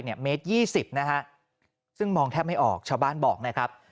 เมตร๒๐นะฮะซึ่งมองแทบไม่ออกชาวบ้านบอกนะครับ